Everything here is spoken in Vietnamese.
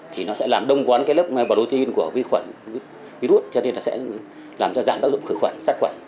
thì nó sẽ làm đông vón lớp protein của vi khuẩn virus cho nên sẽ giảm tác dụng khử khuẩn sát khuẩn